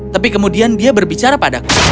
tapi kemudian dia berbicara padaku